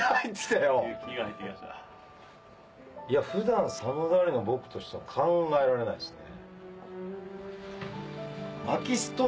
普段寒がりの僕としては考えられないですね。